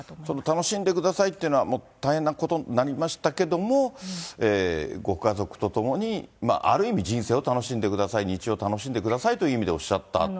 楽しんでくださいっていうことは大変なことになりましたけども、ご家族と共に、ある意味、人生を楽しんでください、日常を楽しんでくださいという意味でおっしゃった。